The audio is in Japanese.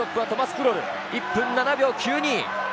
トマス・クロル１分７秒９２。